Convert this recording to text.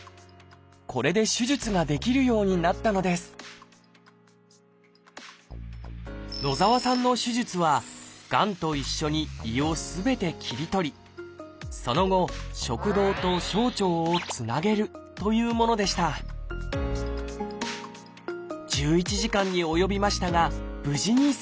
これで手術ができるようになったのです野澤さんの手術はがんと一緒に胃をすべて切り取りその後食道と小腸をつなげるというものでした１１時間に及びましたが無事に成功。